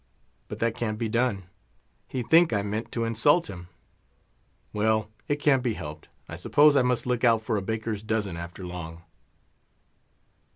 But that can't be done; he'd think I meant to insult him. Well, it can't be helped; I suppose I must look out for a baker's dozen afore long."